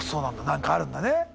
何かあるんだね。